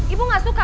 ibu gak suka